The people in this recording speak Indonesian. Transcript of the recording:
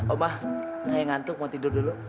omah saya ngantuk mau tidur dulu